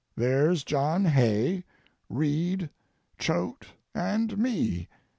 There's John Hay, Reid, Choate, and me.